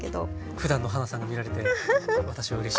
ふだんのはなさんが見られて私はうれしいです。